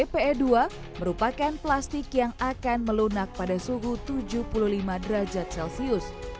pe dua merupakan plastik yang akan melunak pada suhu tujuh puluh lima derajat celcius